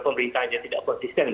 pemerintah yang tidak konsisten